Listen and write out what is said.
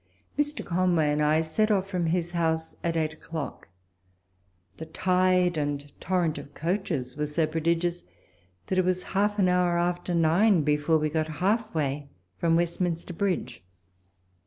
Mr. Conway and I set out from his house at eight o'clock ; the tide and torrent of coaches was so pro digious, that it was half an hour after. nine be 142 walpole's letters. fore we got half way from Westminster Bridge.